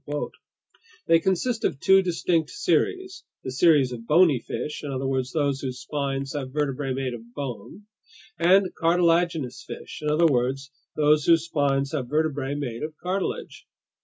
They consist of two distinct series: the series of bony fish, in other words, those whose spines have vertebrae made of bone; and cartilaginous fish, in other words, those whose spines have vertebrae made of cartilage.